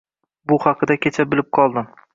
Bu haqida kecha bilib qoldim